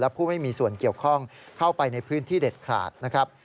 ผู้ไม่มีส่วนเกี่ยวข้องเข้าไปในพื้นที่เด็ดขาดนะครับ